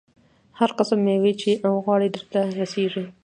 هر قسم مېوه چې وغواړې درته رسېږي.